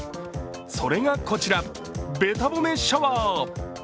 それがこちら、べた褒めシャワー。